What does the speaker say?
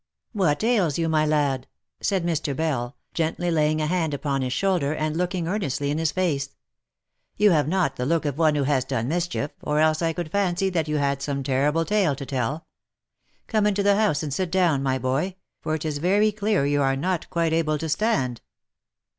" What ails you, my lad ?" said Mr. Bell, gently laying a hand upon his shoulder, and looking earnestly in his face. " You have not the look of one who has done mischief, or else I could fancy that you had some terrible tale to tell. Come into the house and sit down, my boy, for it is very clear you are not quite able to stand."